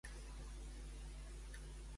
Quina acció ha realitzat Amazon per primer cop?